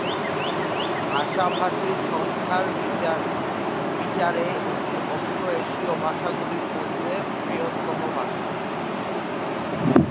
ভাষাভাষীর সংখ্যার বিচারে এটি অস্ট্রো-এশীয় ভাষাগুলির মধ্যে বৃহত্তম ভাষা।